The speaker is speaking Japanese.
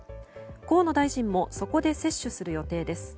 河野大臣もそこで接種する予定です。